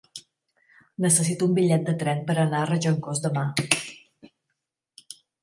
Necessito un bitllet de tren per anar a Regencós demà.